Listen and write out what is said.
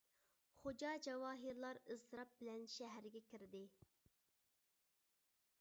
خوجا جاۋاھىرلار ئىزتىراپ بىلەن شەھەرگە كىردى.